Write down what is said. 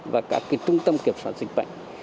và các trung tâm kiểm soát dịch bệnh